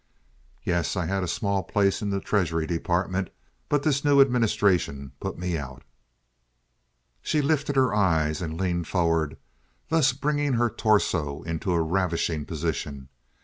"Yes, I had a small place in the Treasury Department, but this new administration put me out." She lifted her eyes and leaned forward, thus bringing her torso into a ravishing position.